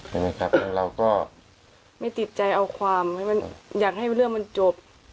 ใช่ไหมครับเราก็ไม่ติดใจเอาความอยากให้เรื่องมันจบ